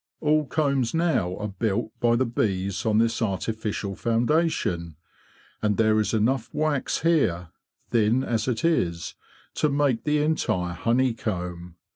All combs now are built by the bees on this artificial foundation; and there is enough wax here, thin as it is, to make the entire honeycomb.